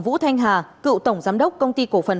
vũ thanh hà cựu tổng giám đốc công ty cổ phần